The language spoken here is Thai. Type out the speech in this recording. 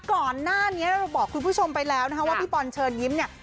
ก่อนหน้านี้เราบอกคุณผู้ชมไปแล้วนะคะว่าพี่บอลเชิญยิ้มเนี่ย